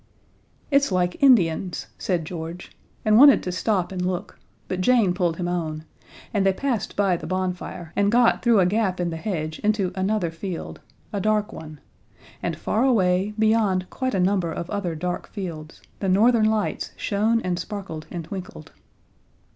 "It's like Indians," said George, and wanted to stop and look, but Jane pulled him on, and they passed by the bonfire and got through a gap in the hedge into another field a dark one; and far away, beyond quite a number of other dark fields, the Northern Lights shone and sparkled and twinkled.